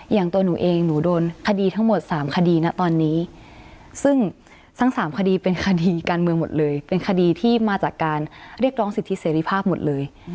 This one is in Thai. อย่างตัวหนูเองหนูโดนคดีทั้งหมด๓คดีนะตอนนี้ซึ่งทั้งสามคดีเป็นคดีการเมืองหมดเลยเป็นคดีที่มาจากการเรียกร้องสิทธิเสรีภาพหมดเลย